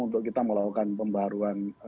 untuk kita melakukan pembaharuan